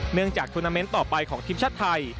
จากทูนาเมนต์ต่อไปของทีมชาติไทย